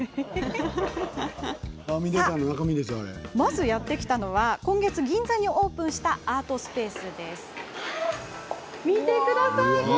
まず、やって来たのは今月、銀座にオープンしたアートスペース。